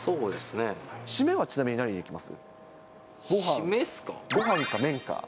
締めはちなみに何いきます？